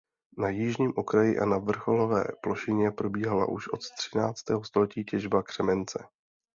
Na jižním okraji a na vrcholové plošině probíhala už od třináctého století těžba křemence.